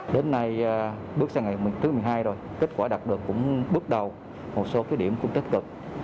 đến nay bước sang ngày thứ một mươi hai rồi kết quả đạt được cũng bước đầu một số cái điểm cũng tích cực